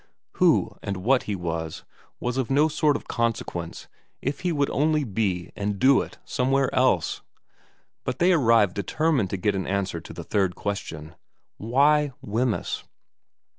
Who and what he was was of no sort of consequence if he would only be and do it somewhere else ; but they arrived determined to get an answer to the third question : Why Wemyss